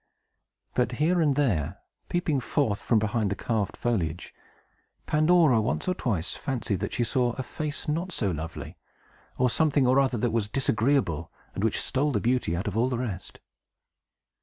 But here and there, peeping forth from behind the carved foliage, Pandora once or twice fancied that she saw a face not so lovely, or something or other that was disagreeable, and which stole the beauty out of all the rest.